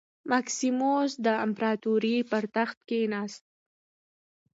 مکسیموس د امپراتورۍ پر تخت کېناست.